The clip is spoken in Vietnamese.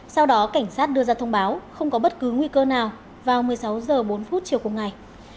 sau đó cảnh sát đưa ra thông báo không có bất cứ nguy cơ nào vào một mươi sáu h bốn chiều cùng ngày